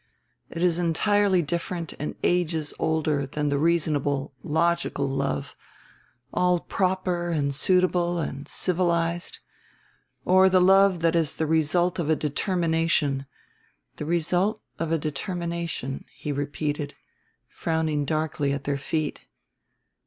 It is entirely different and ages older than the reasonable logical love, all proper and suitable and civilized; or the love that is the result of a determination, the result of a determination," he repeated, frowning darkly at their feet.